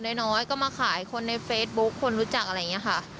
โดยน้อยก็มาขาลคนในเฟสบุ๊คคนรู้จักอะไรเนี่ยค่ะ